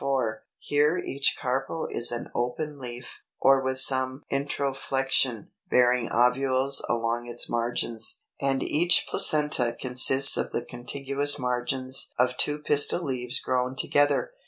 Here each carpel is an open leaf, or with some introflexion, bearing ovules along its margins; and each placenta consists of the contiguous margins of two pistil leaves grown together.